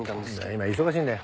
今忙しいんだよ。